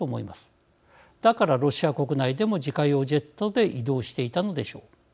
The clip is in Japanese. だからロシア国内でも自家用ジェットで移動していたのでしょう。